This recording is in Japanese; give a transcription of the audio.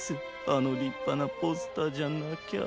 あのりっぱなポスターじゃなきゃ。